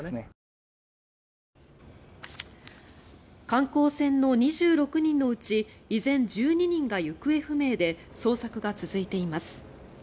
観光船の２６人のうち依然１２人が行方不明で捜索が続いています。